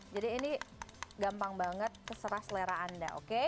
jadi ini gampang banget seserah selera anda oke